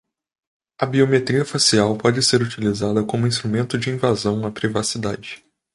A biometria facial pode ser utilizada como instrumento de invasão à privacidade